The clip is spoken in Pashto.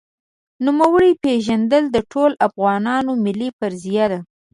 د نوموړي پېژندل د ټولو افغانانو ملي فریضه ده.